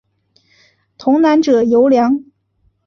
童男者尤良。